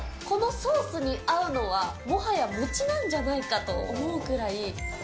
このソースに合うのは、もはや餅なんじゃないかと思うくらい。